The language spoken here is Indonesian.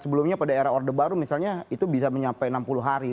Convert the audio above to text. sebelumnya pada era orde baru misalnya itu bisa mencapai enam puluh hari